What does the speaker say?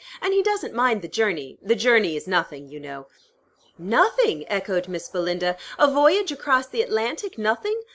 "And he doesn't mind the journey. The journey is nothing, you know." "Nothing!" echoed Miss Belinda. "A voyage across the Atlantic nothing?